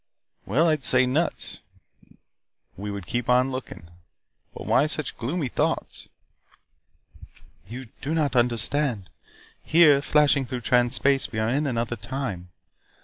"Well, I'd say 'Nuts.' We would keep on looking. But why such gloomy thoughts?" "You do not understand. Here, flashing through Trans Space, we are in another time.